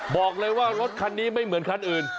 บอกเลยว่ารถคันนี้ไม่เหมือนคันอื่น